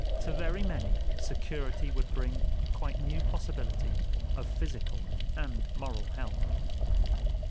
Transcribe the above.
To very many, security would bring a quite new possibility of physical and moral health.